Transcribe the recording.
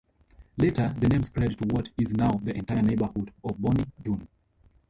Later the name spread to what is now the entire neighbourhood of Bonnie Doon.